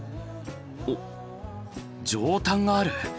おっ上タンがある！